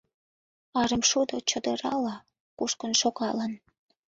Арымшудо чодырала кушкын шогалын.